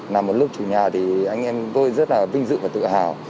nằm ở lúc chủ nhà thì anh em tôi rất là vinh dự và tự hào